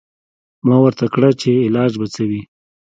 ما ورته کړه چې علاج به څه وي.